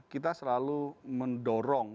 kita selalu mendorong